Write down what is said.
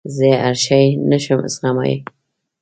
زه هر شی نه شم زغملای.